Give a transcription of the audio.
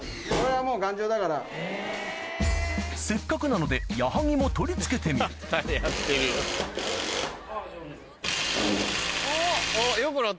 せっかくなので矢作も取り付けてみるあっ